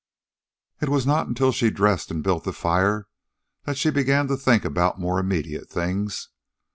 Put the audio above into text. It was not until she dressed and built the fire that she began to think about more immediate things.